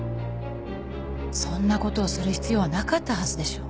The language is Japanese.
そんな事をする必要はなかったはずでしょ。